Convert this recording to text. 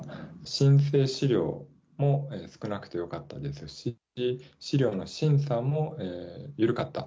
申請資料も少なくてよかったですし、資料の審査も緩かった。